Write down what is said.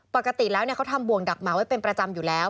ปกติแล้วเขาทำบ่วงดักหมาไว้เป็นประจำอยู่แล้ว